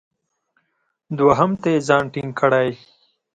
دوهم ته یې ځان ټینګ کړی.